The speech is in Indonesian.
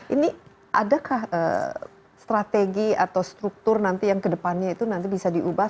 ini adakah strategi atau struktur nanti yang kedepannya itu nanti bisa diubah